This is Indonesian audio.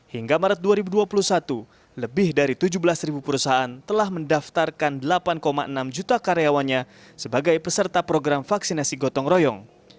hingga maret dua ribu dua puluh satu lebih dari tujuh belas perusahaan telah mendaftarkan delapan enam juta karyawannya sebagai peserta program vaksinasi gotong royong